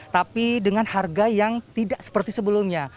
tapi dengan harga yang tidak seperti sebelumnya